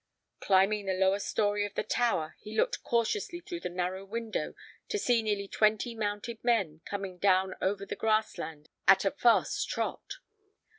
Climbing the lower story of the tower, he looked cautiously through the narrow window to see nearly twenty mounted men coming down over the grass land at a fast trot.